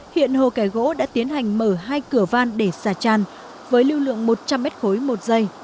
hiện hồ kẻ gỗ đã tiến hành mở hai cửa van để xả tràn với lưu lượng một trăm linh m ba một giây